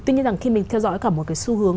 tuy nhiên rằng khi mình theo dõi cả một cái xu hướng